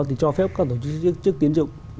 thì cho phép các tổ chức tiến dụng